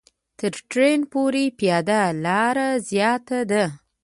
تر ټرېن پورې پیاده لاره زیاته ده.